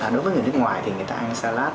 đối với người nước ngoài thì người ta ăn salad